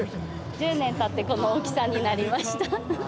１０年たってこの大きさになりました。